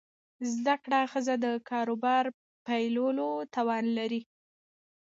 زده کړه ښځه د کاروبار پیلولو توان لري.